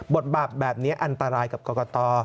บทบาทแบบนี้อันตรายกับกรกต